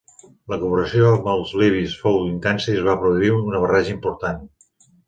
La col·laboració amb els libis fou intensa i es va produir una barreja important.